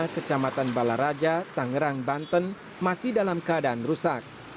kecamatan balaraja tangerang banten masih dalam keadaan rusak